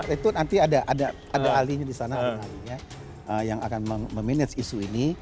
itu nanti ada ahlinya di sana yang akan memanage isu ini